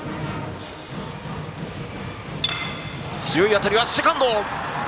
強い当たりはセカンド。